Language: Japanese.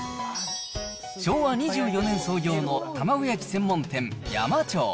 昭和２４年創業の玉子焼き専門店、築地山長。